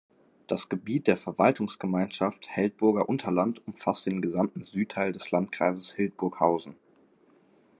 Das Gebiet der Verwaltungsgemeinschaft "Heldburger Unterland" umfasst den gesamten Südteil des Landkreises Hildburghausen.